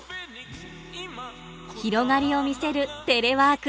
広がりを見せるテレワーク。